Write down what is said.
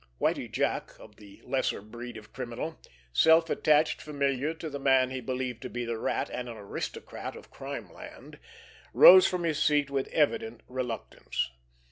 Whitie Jack, of the lesser breed of criminal, self attached familiar to the man he believed to be the Rat and an aristocrat of Crimeland, rose from his seat with evident reluctance.